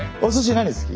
何好き？